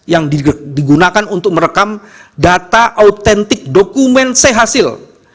yang digunakan untuk merekam data autentik dokumen chasil